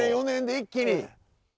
３年４年で一気に。